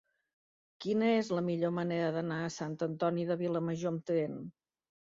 Quina és la millor manera d'anar a Sant Antoni de Vilamajor amb tren?